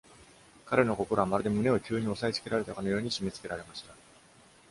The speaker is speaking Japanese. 彼の心は、まるで胸を急に押さえつけられたかのように締め付けられました。